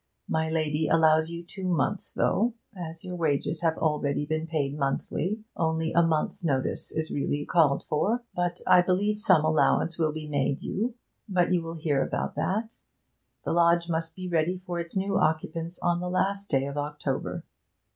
My lady allows you two months, though, as your wages have always been paid monthly, only a month's notice is really called for. I believe some allowance will be made you, but you will hear about that. The lodge must be ready for its new occupants on the last day of October.'